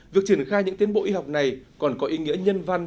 việc triển khai những tiến bộ y học này còn có ý nghĩa nhân văn